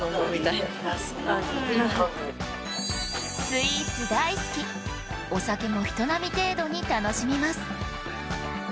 スイーツ大好き、お酒も人並み程度に楽しみます。